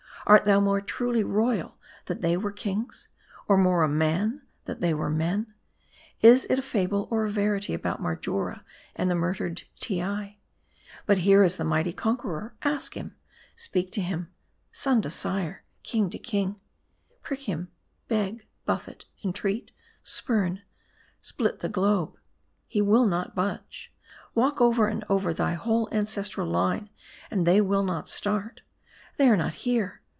Art thou more truly royal, that they were kings ? Or more a man, that they were men ? Is it a fable, or a verity about Marjora and the murdered Teei ? But here is the mighty conqueror, ask him. Speak to him : son to sire : king to king. Prick him ; 276 MARDI. beg ; buffet ; entreat ; spurn ; split the globe, he will not budge. Walk over and over thy whole ancestral line, and the^ will not start. They are not here.